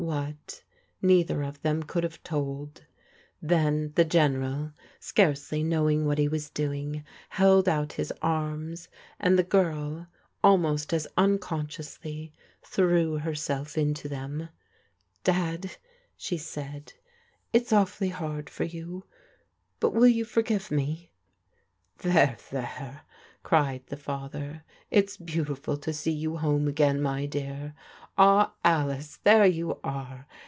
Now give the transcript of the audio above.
What, neither of them could have told. Then the General, scarcely knowing what he was do ing, held out his arms, and the girl, almost as uncon sciously, threw herself into them. " Dad,*' she said, " it's awfully hard for you ; but will you forgive me ?"There, there," cried the father, " it's beautiful to see you home again, my dear. Ah, Alice, there you are.